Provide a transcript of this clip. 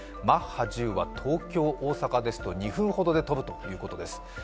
マッハ１０は東京−大阪ですと２分ほどで飛ぶということです。